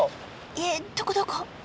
えっどこどこ？